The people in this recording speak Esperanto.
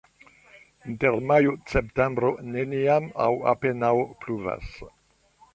Inter majo-septembro neniam aŭ apenaŭ pluvas.